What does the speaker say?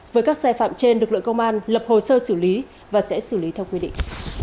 với các sai phạm trên lực lượng công an lập hồ sơ xử lý và sẽ xử lý theo quy định